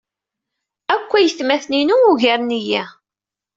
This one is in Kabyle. Akk aytmaten-inu ugaren-iyi.